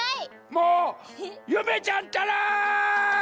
もうゆめちゃんったら！